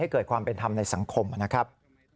เกิดความเป็นธรรมในสังคมนะครับ